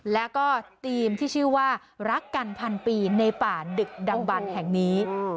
แล้วก็ทีมที่ชื่อว่ารักกันพันปีในป่าดึกดังบันแห่งนี้